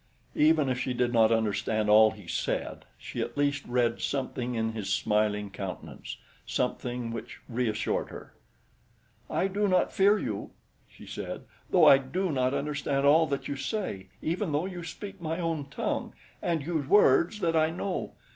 Even if she did not understand all he said, she at least read something in his smiling countenance something which reassured her. "I do not fear you," she said; "though I do not understand all that you say even though you speak my own tongue and use words that I know.